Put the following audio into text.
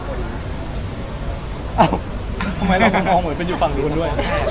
เอ้าทำไมต้องมองเหมือนอยู่ฝั่งรุนด้วย